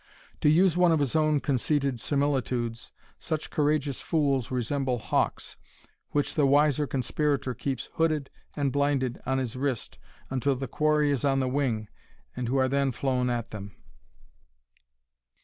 To use one of his own conceited similitudes, such courageous fools resemble hawks, which the wiser conspirator keeps hooded and blinded on his wrist until the quarry is on the wing, and who are then flown at them."